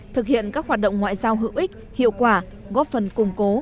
thực hiện các hoạt động ngoại giao hữu ích hiệu quả góp phần củng cố